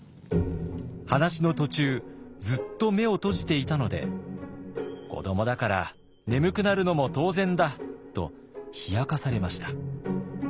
話の途中ずっと目を閉じていたので「子どもだから眠くなるのも当然だ」と冷やかされました。